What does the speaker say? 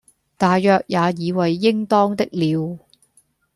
大約也以爲應當的了。